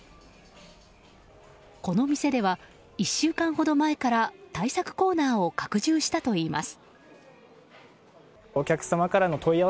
この店では１週間ほど前から対策コーナーを拡充したといいます。